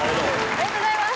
ありがとうございます。